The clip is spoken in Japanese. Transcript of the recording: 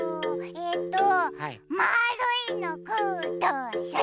えっとまあるいのください！